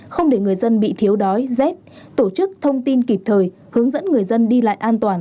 không để người dân bị thiếu đói rét tổ chức thông tin kịp thời hướng dẫn người dân đi lại an toàn